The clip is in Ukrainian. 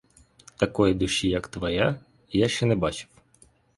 Такої душі, як твоя, я ще не бачив.